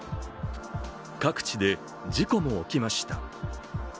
各地で事故も起きました。